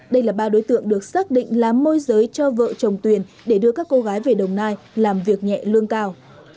đây là ba đối tượng được xác định làm môi giới cho vợ chồng tuyền để đưa các cô gái về đồng nai làm việc nhẹ lương cao